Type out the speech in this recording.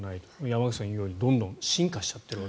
山口さんが言うようにどんどん進化しちゃってる。